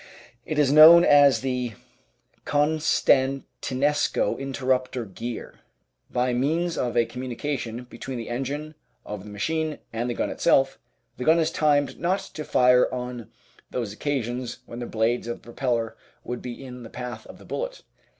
It is known as the Constantinesco Interrupter Gear. By means of a communication between the engine of the machine and the gun itself, the gun is timed not to fire on those occasions when the blades of the propeller would be in the path of the bullet.